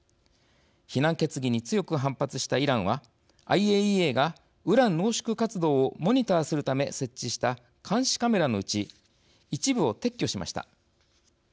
非難決議に強く反発したイランはＩＡＥＡがウラン濃縮活動をモニターするため設置した監視カメラのうち一部を撤去しました。